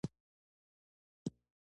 د قراني علومو د تخصص دورې محصل وم.